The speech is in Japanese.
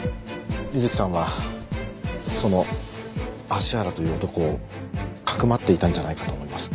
美月さんはその芦原という男をかくまっていたんじゃないかと思います。